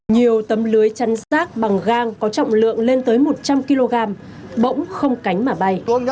nhiều tấm lưới chăn xác bằng gang có trọng lượng lên tới một trăm linh kg bỗng không cánh mà bay